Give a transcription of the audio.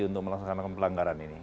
untuk melaksanakan pelanggaran ini